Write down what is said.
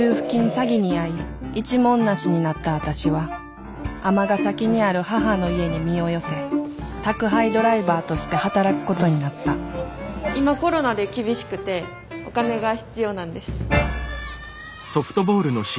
詐欺に遭い一文無しになった私は尼崎にある母の家に身を寄せ宅配ドライバーとして働くことになった今コロナで厳しくてお金が必要なんです。